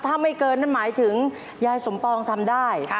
ถ้าไม่เกินนั่นหมายถึงยายสมปองทำได้